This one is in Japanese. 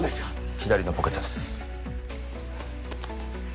左のポケットです